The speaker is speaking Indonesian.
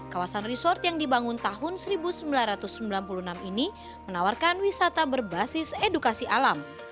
kawasan resort yang dibangun tahun seribu sembilan ratus sembilan puluh enam ini menawarkan wisata berbasis edukasi alam